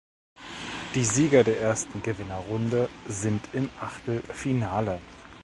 Die Sieger der ersten Gewinnerrunde sind im Achtelfinale.